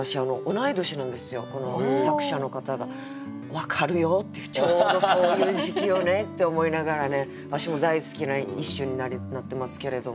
分かるよってちょうどそういう時期よねって思いながらねわしも大好きな一首になってますけれども。